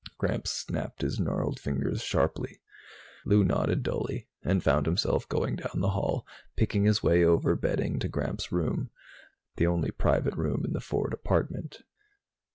Gramps snapped his gnarled fingers sharply. Lou nodded dully and found himself going down the hall, picking his way over bedding to Gramps' room, the only private room in the Ford apartment.